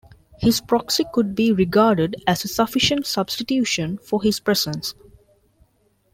His proxy could be regarded as a sufficient substitution for his presence.